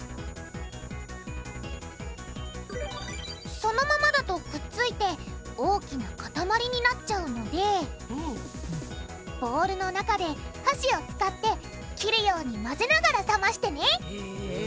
そのままだとくっついて大きなかたまりになっちゃうのでボウルの中ではしを使って切るように混ぜながら冷ましてねへぇ。